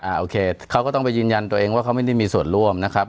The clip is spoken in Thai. โอเคเขาก็ต้องไปยืนยันตัวเองว่าเขาไม่ได้มีส่วนร่วมนะครับ